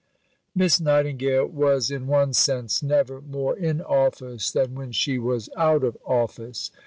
Miss Nightingale was in one sense never more in office than when she was "out of office."